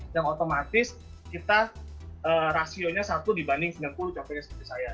yang otomatis kita rasionya satu dibanding sembilan puluh contohnya seperti saya